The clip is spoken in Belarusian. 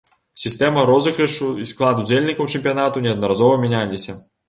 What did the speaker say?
Сістэма розыгрышу і склад удзельнікаў чэмпіянату неаднаразова мяняліся.